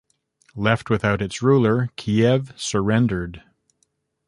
Left without its ruler, Kiev surrendered.